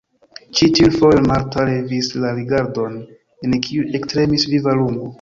Ĉi tiun fojon Marta levis la rigardon, en kiu ektremis viva lumo.